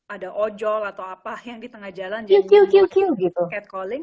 ada ojol atau apa yang di tengah jalan jadi gitu cat calling